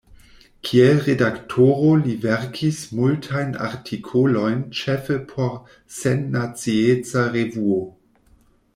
Kiel redaktoro li verkis multajn artikolojn ĉefe por “Sennacieca Revuo”.